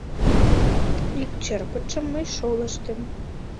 Ик черпытшым мый шолыштым.